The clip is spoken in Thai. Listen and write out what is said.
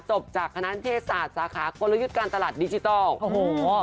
จบจากคณะเทศศาสตร์สาขากลยุทธ์การตลาดดิจิทัลโอ้โห